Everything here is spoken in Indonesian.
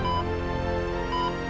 ya allah papa